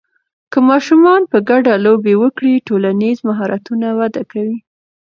که ماشومان په ګډه لوبې وکړي، ټولنیز مهارتونه وده کوي.